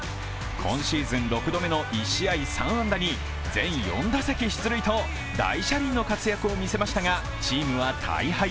今シーズン６度目の１試合３安打に全４打席出塁と、大車輪の活躍を見せましたがチームは大敗。